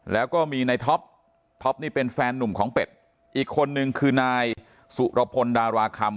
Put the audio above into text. แล้วก็มีในท็อปท็อปนี่เป็นแฟนนุ่มของเป็ดอีกคนนึงคือนายสุรพลดาราคำ